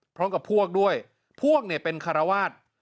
พร้อมกับพวกด้วยพวกเนี่ยเป็นคารวาส